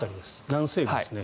南西部ですね。